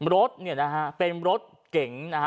รถเนี่ยนะฮะเป็นรถเก๋งนะฮะ